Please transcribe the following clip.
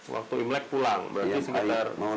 waktu imlek pulang berarti sekitar